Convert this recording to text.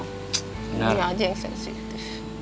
gak ada yang sensitif